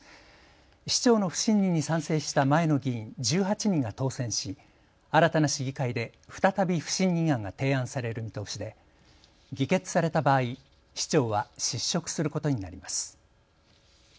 市長の不信任に賛成した前の議員１８人が当選し、新たな市議会で再び不信任案が提案される見通しで議決された場合、市長は失職することになります。